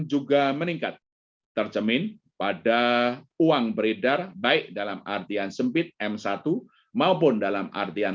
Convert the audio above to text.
juga meningkat tercemin pada uang beredar baik dalam artian sempit m satu maupun dalam artian